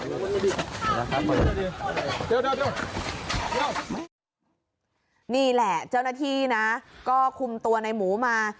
นี่แหละเจ้าหน้าที่นะก็คุมตัวในหมูมา